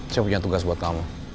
saya punya tugas buat kamu